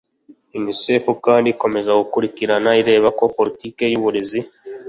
UNICEF kandi ikomeza gukurikirana ireba ko politki y'uburezi